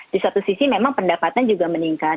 di satu sisi memang pendapatan juga meningkat